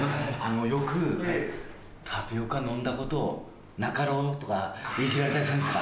よく「タピオカ飲んだことなかろう」とかいじられたりせんすか？